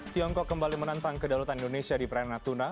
tiongkok kembali menantang kedaulatan indonesia di prairana tuna